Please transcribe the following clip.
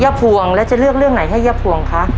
ภวงแล้วจะเลือกเรื่องไหนให้ย่าพวงคะ